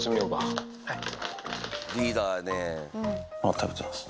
食べてます。